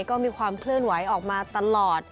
ก็มีความเคลื่อนไหวออกมาตลอด